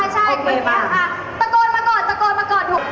ตะโกนมาก่อน